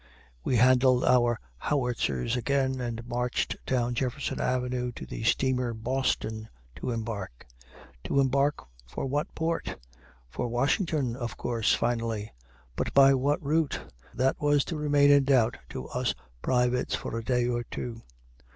We handled our howitzers again, and marched down Jefferson Avenue to the steamer "Boston" to embark. To embark for what port? For Washington, of course, finally; but by what route? That was to remain in doubt to us privates for a day or two.